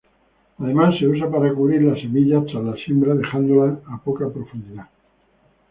Además se usa para cubrir las semillas tras la siembra dejándolas a poca profundidad.